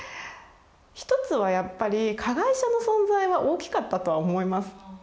一つはやっぱり加害者の存在は大きかったとは思います。